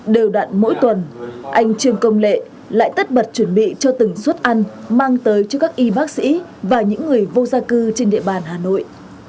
đều đặn mỗi tuần anh trường công lệ lại tất bật chuẩn bị cho từng suất ăn mang tới cho các y bác sĩ và những người vô gia cư trên địa bàn hà nội